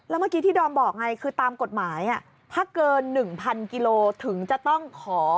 เมื่อกี้ที่ดอมบอกไงคือตามกฎหมายถ้าเกิน๑๐๐กิโลถึงจะต้องขอ